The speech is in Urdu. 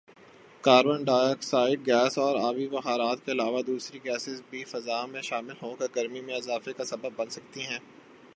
کاربن ڈائی آکسائیڈ گیس اور آبی بخارات کے علاوہ ، دوسری گیسیں بھی فضا میں شامل ہوکر گرمی میں اضافے کا سبب بن سکتی ہیں